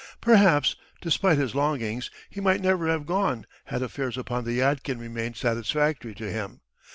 Perhaps, despite his longings, he might never have gone had affairs upon the Yadkin remained satisfactory to him.